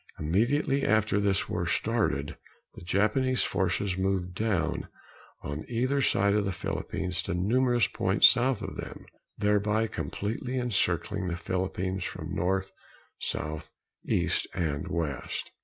Immediately after this war started, the Japanese forces moved down on either side of the Philippines to numerous points south of them thereby completely encircling the Philippines from north, south, east and west.